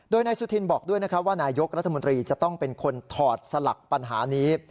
โดยนายสุธินบอกด้วยนะครับว่านายกรัฐมนตรีจะต้องเป็นคนถอดสลักปัญหานี้